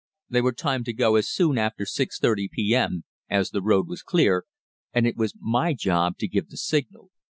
They were timed to go as soon after 6.30 p.m. as the road was clear, and it was my job to give the signal.